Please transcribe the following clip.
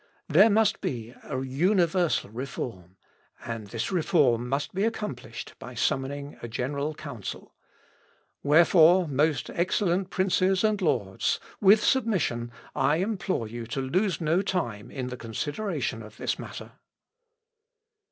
There must be a universal reform, and this reform must be accomplished by summoning a general Council. Wherefore, most excellent princes and lords, with submission I implore you to lose no time in the consideration of this matter."